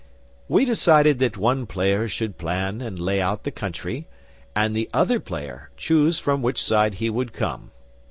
We decided that one player should plan and lay out the Country, and the other player choose from which side he would come.